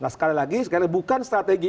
sekali lagi bukan strategi